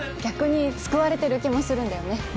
逆に救われてる気もするんだよね